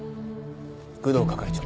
工藤係長。